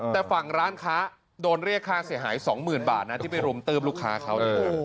แต่ฝั่งร้านค้าโดนเรียกค่าเสียหาย๒๐๐๐บาทนะที่ไปรุมตื้มลูกค้าเขา